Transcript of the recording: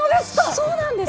そうなんです！